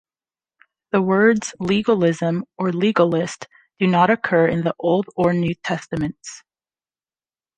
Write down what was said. The words 'legalism' or 'legalist' do not occur in the Old or New Testaments.